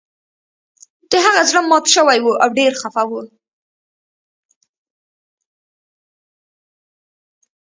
د هغه زړه مات شوی و او ډیر خفه و